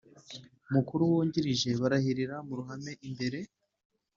Mukuru wungirije barahirira mu ruhame imbere